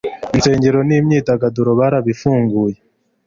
insengero ni myidagaduro barabifunguye